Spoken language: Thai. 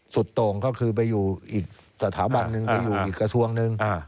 โต่งก็คือไปอยู่อีกสถาบันหนึ่งไปอยู่อีกกระทรวงหนึ่ง